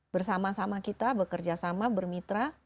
bersama sama kita bekerja sama bermitra